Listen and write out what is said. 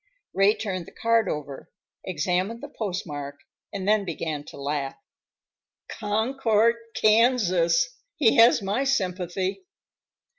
Ray turned the card over, examined the postmark, and then began to laugh. "Concord, Kansas. He has my sympathy!"